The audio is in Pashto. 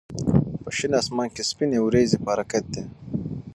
په شین اسمان کې سپینې وريځې په حرکت دي.